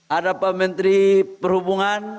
ada pak menteri perhubungan